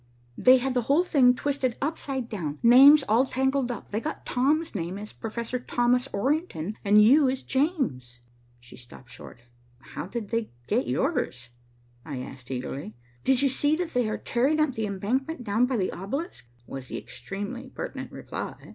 "They had the whole thing twisted upside down; names all tangled up. They got Tom's name as Professor Thomas Orrington, and you as James." She stopped short. "How did they get yours?" I asked eagerly. "Did you see that they are tearing up the embankment down by the obelisk?" was the extremely pertinent reply.